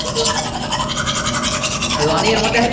যখন সেনা চাইবে তখন এটা দিয়েই কথা শুরু করবে।